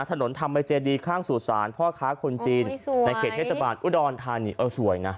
ถนนธรรมเจดีข้างสู่ศาลพ่อค้าคนจีนในเขตเทศบาลอุดรธานีเออสวยนะ